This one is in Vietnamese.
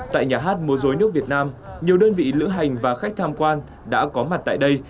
tại nhà hát mô dối nước việt nam nhiều đơn vị lữ hành và khách tham quan đã có mặt tại đây